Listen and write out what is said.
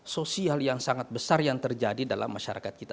sosial yang sangat besar yang terjadi dalam masyarakat kita